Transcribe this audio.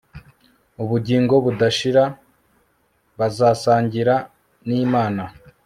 ubugingo budashira bazasangira nImana